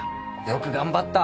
「よく頑張った」